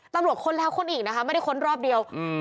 ตำรวจค้นแล้วค้นอีกนะคะไม่ได้ค้นรอบเดียวอืม